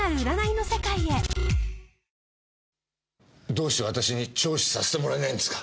どうして私に聴取させてもらえないんですか？